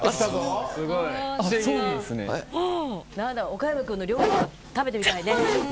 岡山君の料理とか食べてみたいね。